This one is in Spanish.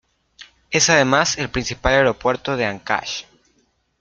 Es además el principal aeropuerto de Ancash.